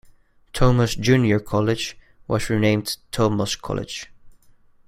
Thomas Junior College was renamed Thomas College.